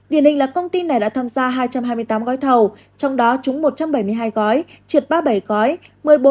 điển hình là công ty này đã tham gia hai trăm hai mươi tám gói thầu trong đó trúng một trăm bảy mươi hai gói trượt ba mươi bảy gói